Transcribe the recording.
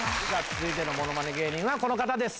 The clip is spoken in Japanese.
続いてのものまね芸人はこの方です。